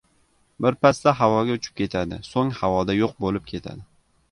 Birpasda havoga uchib ketadi, so‘ng havoda yo‘q bo‘lib ketadi.